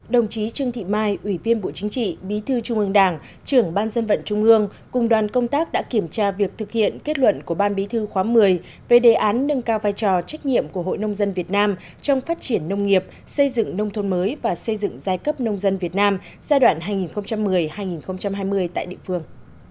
đồng chí trương thị mai ủy viên bộ chính trị bí thư trung ương đảng trưởng ban dân vận trung ương cùng đoàn công tác đã kiểm tra việc thực hiện kết luận của ban bí thư khóa một mươi về đề án nâng cao vai trò trách nhiệm của hội nông dân việt nam trong phát triển nông nghiệp xây dựng nông thôn mới và xây dựng giai cấp nông dân việt nam giai đoạn hai nghìn một mươi hai nghìn hai mươi tại địa phương